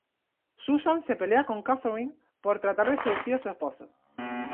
Susan se pelea con Katherine por tratar de seducir a su esposo.